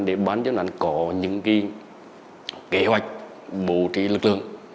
để ban chuyên án có những cái kế hoạch bổ trí lực lượng